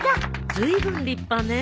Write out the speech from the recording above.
ずいぶん立派ね。